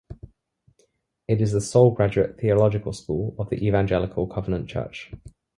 It is the sole graduate theological school of the Evangelical Covenant Church.